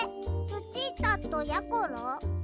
ルチータとやころ？